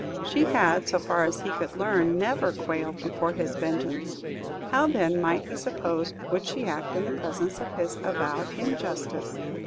She had, so far as he could learn, never quailed before his vengeance; how, then, might he suppose would she act in the presence of his avowed injustice?